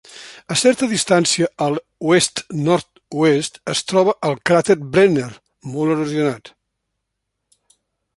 A certa distància a l'oest-nord-oest es troba el cràter Brenner molt erosionat.